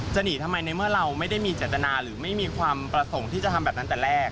หนีทำไมในเมื่อเราไม่ได้มีเจตนาหรือไม่มีความประสงค์ที่จะทำแบบนั้นแต่แรก